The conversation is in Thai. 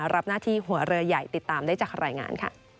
รับหน้าที่หัวเรือใหญ่ติดตามได้จากรายงานค่ะ